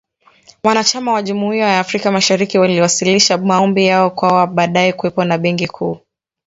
Wanachama wa Jumuiya ya Afrika Mashariki, waliwasilisha maombi yao kuwa baadae kuwepo na Benki Kuu